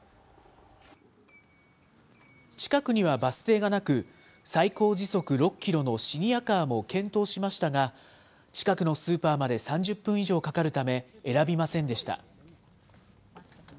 近くにはバス停がなく、最高時速６キロのシニアカーも検討しましたが、近くのスーパーまで３０分以上かかるため、選びませんでした。